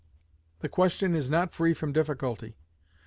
The question is not free from difficulty.